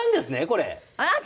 これ。